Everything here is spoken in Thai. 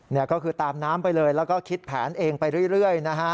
นี่ก็คือตามน้ำไปเลยแล้วก็คิดแผนเองไปเรื่อยนะฮะ